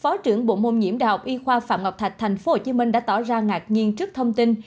phó trưởng bộ môn nhiễm đại học y khoa phạm ngọc thạch tp hcm đã tỏ ra ngạc nhiên trước thông tin